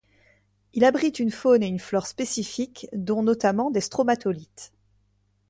Il abrite une faune et une flore spécifiques dont notamment des stromatolithes.